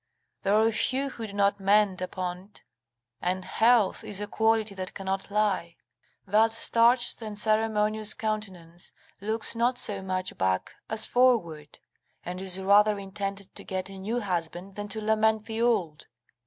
There are few who do not mend upon't, and health is a quality that cannot lie. That starched and ceremonious countenance looks not so much back as forward, and is rather intended to get a new husband than to lament the old.